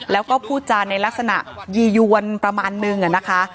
แล้วก็พูดจานในลักษณะยียวนประมาณนึงนะคะ